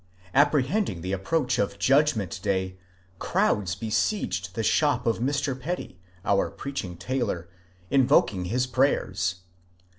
Apprehending the ap proach of Judgment Day, crowds besieged the shop of Mr. Petty, our preaching tailor, invoking his prayers.